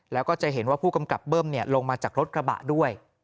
แล้วก็จะเห็นว่าผู้กำกับเบิ้มลงมาจากรถกระบะด้วย